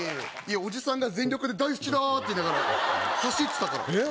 おじさんが全力で大好きだーっていいながら走ってたからえっ？